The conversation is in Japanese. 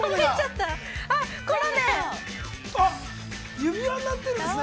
指輪になってるんですね。